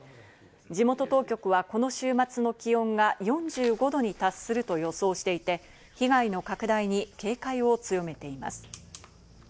地元当局はこの週末の気温が４５度に達すると予想していて、被害の拡大に警戒を強めています。